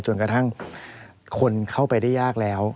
จนกระทั่งคนเข้าไปได้ยากแล้ว